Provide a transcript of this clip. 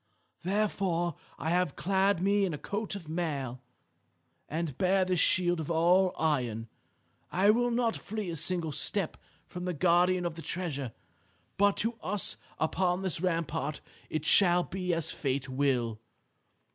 Therefore I have clad me in a coat of mail, and bear this shield all of iron. I will not flee a single step from the guardian of the treasure. But to us upon this rampart it shall be as fate will.